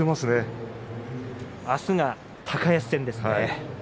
明日が高安戦ですね。